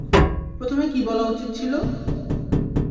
প্রথমে কী বলা উচিত ছিল?